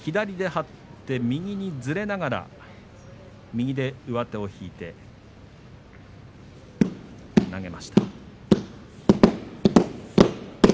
左で張って右にずれながら右で上手を引いて投げました。